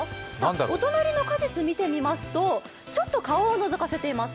お隣の果実見てみますとちょっと顔をのぞかせています。